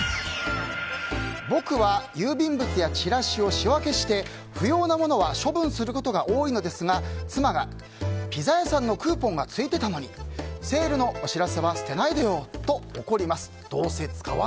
僕は郵便物やチラシを仕分けして不要なものは処分することが多いのですが妻がピザ屋さんのクーポンがついてたのにセールのお知らせは捨てないでよ！と怒ります。